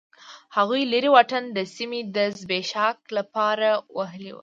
هغوی لرې واټن د سیمې د زبېښاک لپاره وهلی و.